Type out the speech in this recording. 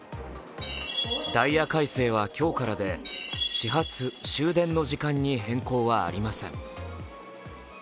ダイヤ改正は今日からで始発・終電の時間に変更はありません。